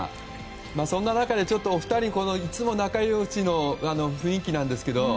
そんな中で２人いつも仲良しの雰囲気なんですけど